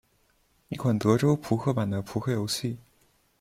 一款德州扑克版的扑克游戏。